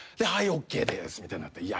「はいＯＫです」みたいになって。